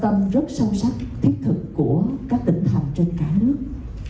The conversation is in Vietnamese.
tâm rất sâu sắc thiết thực của các tỉnh thành trên cả nước